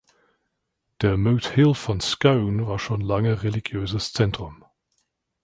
Der Moot Hill von Scone war schon lange religiöses Zentrum.